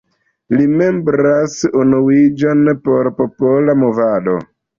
Li membras Unuiĝon por Popola Movado.